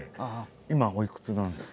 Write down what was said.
今おいくつなんですか？